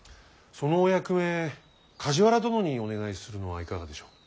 そのお役目梶原殿にお願いするのはいかがでしょう。